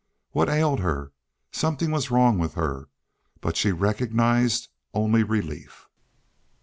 What ailed her? Something was wrong with her, but she recognized only relief.